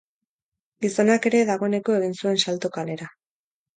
Gizonak ere dagoeneko egin zuen salto kalera.